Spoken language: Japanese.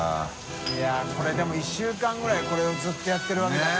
いやこれでも１週間ぐらいこれをずっとやってるわけだもんな。